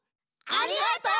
ありがとう！